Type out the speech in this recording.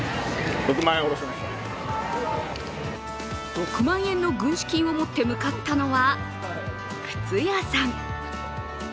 ６万円の軍資金を持って向かったのは、靴屋さん。